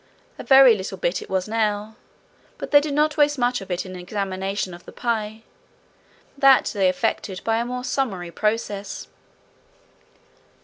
A very little bit it was now, but they did not waste much of it in examination of the pie; that they effected by a more summary process.